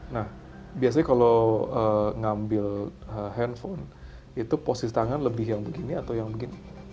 nah biasanya kalau ngambil handphone itu posisi tangan lebih yang begini atau yang begini